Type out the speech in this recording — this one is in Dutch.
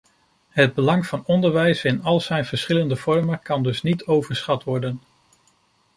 Het belang van onderwijs in al zijn verschillende vormen kan dus niet overschat worden.